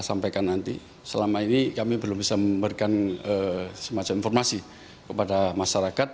sampaikan nanti selama ini kami belum bisa memberikan semacam informasi kepada masyarakat